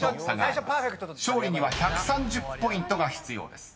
［勝利には１３０ポイントが必要です］